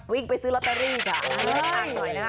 วิ่งไปซื้อลอตเตอรี่ค่ะ